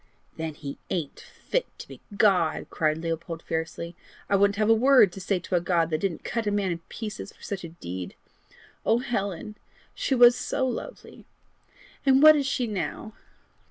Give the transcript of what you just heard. "Then he ain't fit to be God!" cried Leopold fiercely. "I wouldn't have a word to say to a God that didn't cut a man in pieces for such a deed! Oh Helen, she was so lovely! and what is she now?"